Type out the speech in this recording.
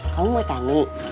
kamu mau tanik